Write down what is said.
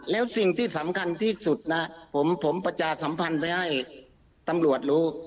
แล้วสิ่งที่สำคัญที่สุดนะผมประชาสัมพันธ์ไปให้ตำรวจรู้